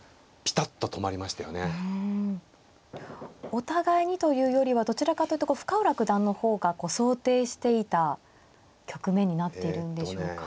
お互いにというよりはどちらかというとこう深浦九段の方が想定していた局面になっているんでしょうか。